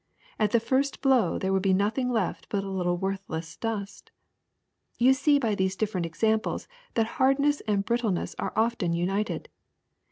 At the first blow there would be nothing left but a little worthless dust. You see by these different examples that hardness and brittleness are often united.